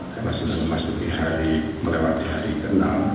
karena sudah memasuki hari melewati hari ke enam